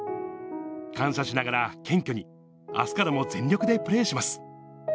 感謝しながら謙虚に、あすからも全力でプレーします。